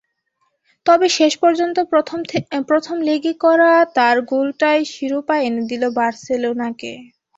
তবে শেষ পর্যন্ত প্রথম লেগে করা তাঁর গোলটাই শিরোপা এনে দিল বার্সেলোনাকে।